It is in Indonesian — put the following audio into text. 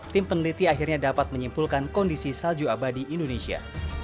tim peneliti akhirnya dapat menyimpulkan kondisi salju abadi indonesia